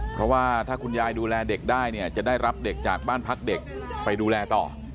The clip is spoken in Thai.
เพราะว่าถ้าคุณยายดูแลเด็กได้เนี่ยจะได้รับเด็กจากบ้านพักเด็กไปดูแลต่อ